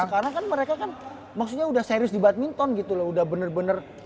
karena kan mereka kan maksudnya udah serius di badminton gitu loh udah bener bener